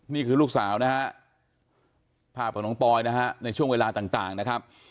นี่คือลูกสาวนะฮะภาพของน้องปอยนะฮะในช่วงเวลาต่างนะครับ